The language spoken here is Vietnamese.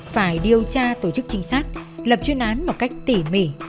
phải điều tra tổ chức trinh sát lập chuyên án một cách tỉ mỉ